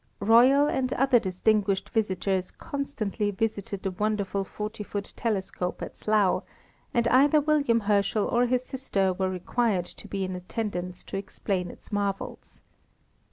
Royal and other distinguished visitors constantly visited the wonderful forty foot telescope at Slough, and either William Herschel or his sister were required to be in attendance to explain its marvels.